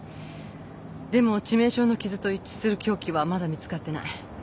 でも致命傷の傷と一致する凶器はまだ見つかってない。